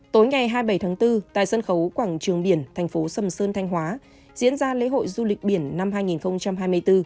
tối ngày hai mươi bảy tháng bốn tại sân khấu quảng trường biển thành phố sầm sơn thanh hóa diễn ra lễ hội du lịch biển năm hai nghìn hai mươi bốn